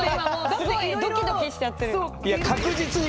すごいドキドキしちゃってる。